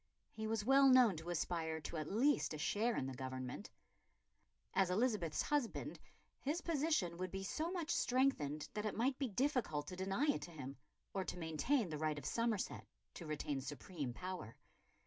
He was well known to aspire to at least a share in the government. As Elizabeth's husband his position would be so much strengthened that it might be difficult to deny it to him, or to maintain the right of Somerset to retain supreme power.